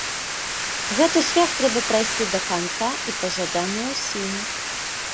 Гэты шлях трэба прайсці да канца і пажадана ўсім.